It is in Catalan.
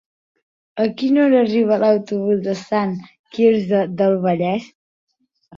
A quina hora arriba l'autobús de Sant Quirze del Vallès?